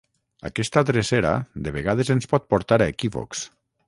aquesta drecera de vegades ens pot portar a equívocs